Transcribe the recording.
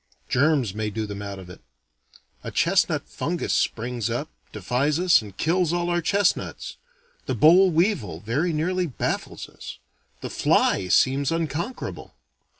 Germs may do them out of it. A chestnut fungus springs up, defies us, and kills all our chestnuts. The boll weevil very nearly baffles us. The fly seems unconquerable.